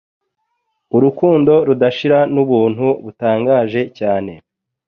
Urukundo rudashira n’Ubuntu butangaje cyane